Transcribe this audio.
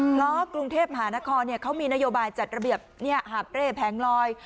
เพราะกรุงเทพมหานครเขามีนโยบายจัดระเบียบหาบเร่แผงลอย